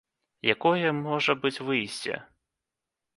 Якое можа быць выйсце?